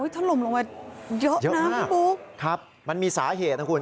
ถล่มลงมาเยอะนะพี่ปุ๊กครับมันมีสาเหตุนะคุณ